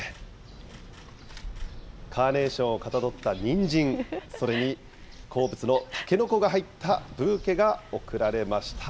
カーネーションをかたどったにんじん、それに好物のたけのこが入ったブーケが贈られました。